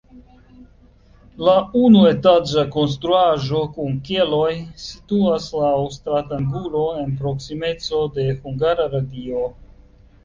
La unuetaĝa konstruaĵo kun keloj situas laŭ stratangulo en proksimeco de Hungara Radio.